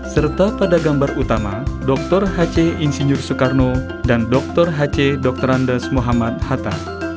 serta pada gambar utama dr hc insinyur soekarno dan dr hc dr andes muhammad hatta